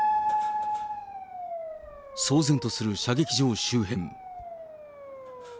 騒然とする射撃場周辺。